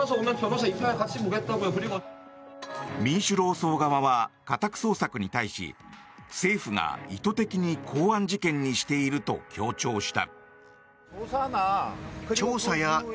民主労総側は家宅捜索に対し政府が意図的に公安事件にしていると強調した。